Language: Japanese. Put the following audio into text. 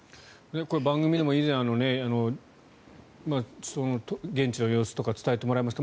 番組でも以前現地の様子とか伝えてもらいました。